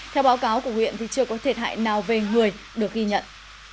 theo báo cáo của huyện thì chưa có thiệt hại nào về người được ghi nhận